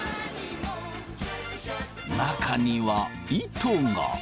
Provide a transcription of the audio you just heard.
中には糸が。